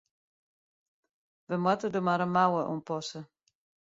We moatte der mar in mouwe oan passe.